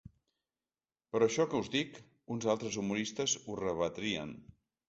Però això que us dic, uns altres humoristes ho rebatrien.